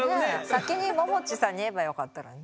先にももちさんに言えばよかったのにね。